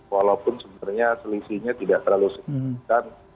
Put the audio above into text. walaupun sebenarnya selisihnya tidak terlalu signifikan